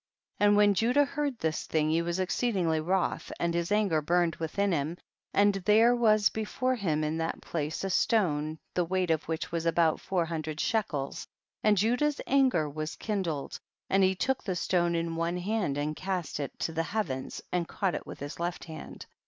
28. And when Judah heard this thing he was exceedingly wroth and his anger burned within him, and there was before him in that place a stone, the weight of which was about four hundred shekels, and Judah's anger was kindled and he took the stone in one hand and cast it to the 172 THE BOOK OF JASHER. heavens and caught it with his left hand.